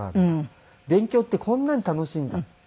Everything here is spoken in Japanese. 勉強ってこんなに楽しいんだ。